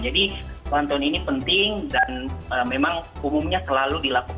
jadi pelantunan ini penting dan memang umumnya selalu dilakukan